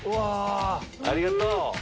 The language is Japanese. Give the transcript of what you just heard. ありがとう！